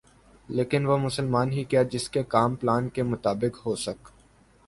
لیکن وہ مسلمان ہی کیا جس کے کام پلان کے مطابق ہوسک